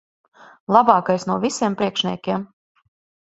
Labākais no visiem priekšniekiem.